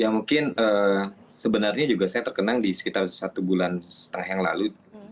ya mungkin sebenarnya juga saya terkenang di sekitar satu bulan setengah yang lalu